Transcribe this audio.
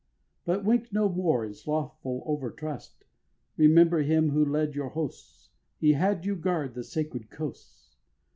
But wink no more in slothful overtrust. Remember him who led your hosts; He bad you guard the sacred coasts.